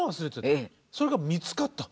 それが見つかった。